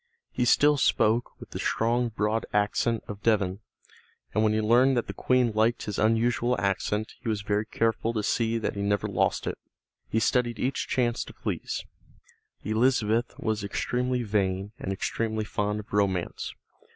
He still spoke with the strong broad accent of Devon, and when he learned that the Queen liked his unusual accent he was very careful to see that he never lost it. He studied each chance to please. Elizabeth was extremely vain and extremely fond of romance.